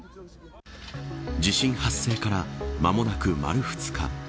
地震発生から間もなく、丸２日。